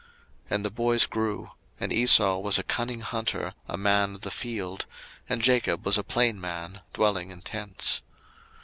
01:025:027 And the boys grew: and Esau was a cunning hunter, a man of the field; and Jacob was a plain man, dwelling in tents.